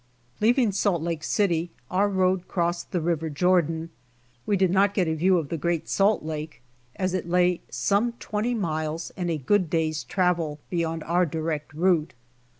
Leaving Salt Lake City, our road crossed the River Jordan. We did not get a view of the Great Salt Lake as it lay some twenty miles and a good day's travel beyond our direct route.